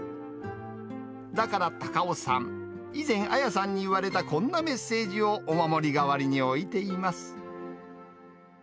だから太夫さん、以前、彩さんに言われたこんなメッセージをお守り代わりに置いています。